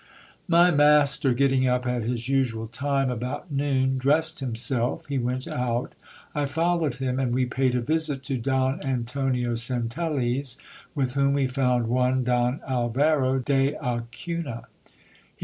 My master getting up at his usual time, about noon, dressed himself. He went out I followed him, and we paid a visit to Don Antonio Centelles, with whom we found one Don Alvaro de Acuna. He